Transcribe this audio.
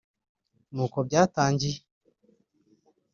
ni uko byatangiye”